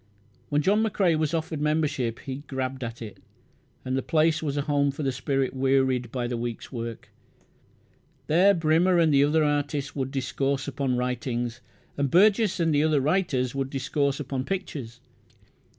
When John McCrae was offered membership he "grabbed at it", and the place was a home for the spirit wearied by the week's work. There Brymner and the other artists would discourse upon writings, and Burgess and the other writers would discourse upon pictures.